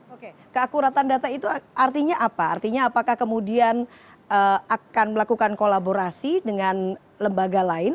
oke keakuratan data itu artinya apa artinya apakah kemudian akan melakukan kolaborasi dengan lembaga lain